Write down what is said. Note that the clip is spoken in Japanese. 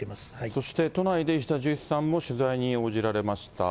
そして都内で石田純一さんも取材に応じられました。